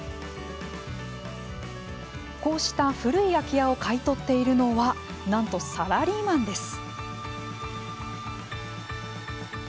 こうした古い空き家を買い取っているのはなんとサラリーマンです。